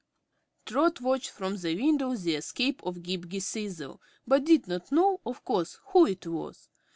Trot watched from the window the escape of Ghip Ghisizzle but did not know, of course, who it was.